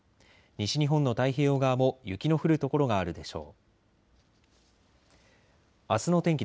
西日本の太平洋側も雪の降る所があるでしょう。